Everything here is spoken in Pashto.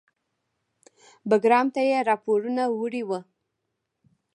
بګرام ته یې راپورونه وړي وو.